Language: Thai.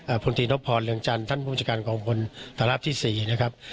เอ่อพุทธีนพรเหลืองจันทร์ท่านผู้จัดการกองมนตราบที่สี่นะครับ